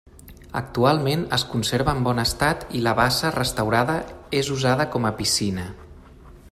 Actualment es conserva en bon estat i la bassa restaurada és usada com a piscina.